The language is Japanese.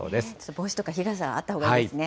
帽子とか日傘、あったほうがいいですね。